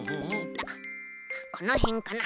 このへんかな？